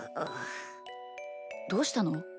どうしたの？